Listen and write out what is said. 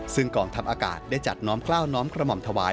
ซึ่งกองทัพอากาศได้จัดน้อมกล้าวน้อมกระหม่อมถวาย